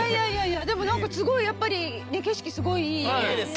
でもやっぱり景色すごいいい。